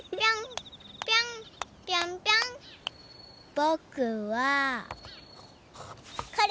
ぼくはこれ！